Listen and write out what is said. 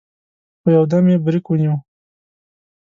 خو يودم يې برېک ونيو.